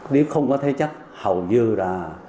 nếu không có thế chấp hầu như là